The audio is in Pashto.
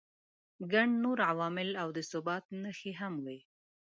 ګڼ نور عوامل او د ثبات نښې هم وي.